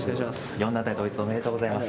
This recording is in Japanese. ４団体統一おめでとうございます。